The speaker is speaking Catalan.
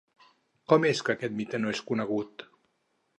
Com és que aquest mite no és conegut?